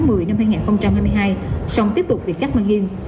do diện cảnh báo từ tháng một mươi năm hai nghìn hai mươi hai xong tiếp tục bị cắt màn ghiên